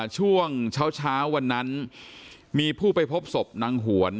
ช่วงเช้าวันนั้นมีผู้ไปพบศพนางหวน